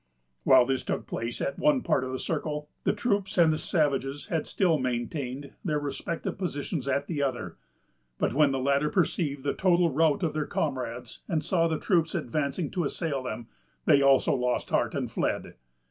While this took place at one part of the circle, the troops and the savages had still maintained their respective positions at the other; but when the latter perceived the total rout of their comrades, and saw the troops advancing to assail them, they also lost heart, and fled.